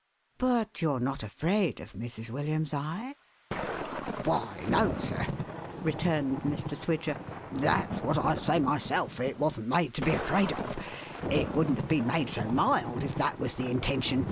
" But you're not afraid of Mrs. William's t \<•:"" Why, no, sir," returned Mr. Swidger, " that's what I say myself. It wasn't made to be afraid of. It wouldn't have been made so mild, if that was the intention.